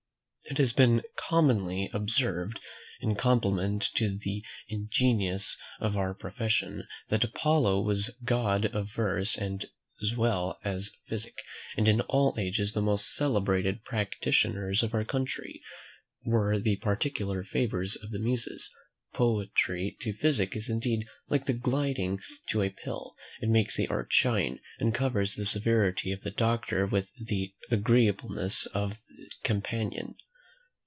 It has been commonly observed, in compliment to the ingenious of our profession, that Apollo was god of verse as well as physic; and in all ages, the most celebrated practitioners of our country were the particular favourites of the Muses. Poetry to physic is indeed like the gilding to a pill; it makes the art shine, and covers the severity of the doctor with the agreeableness of the companion.